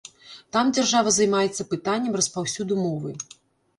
Там дзяржава займаецца пытаннем распаўсюду мовы.